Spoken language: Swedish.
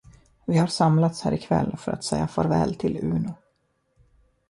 Vi har samlats här ikväll för att säga farväl till Uno.